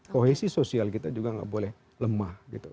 kohesi sosial kita juga tidak boleh lemah